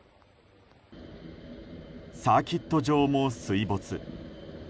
サーキット場も水没。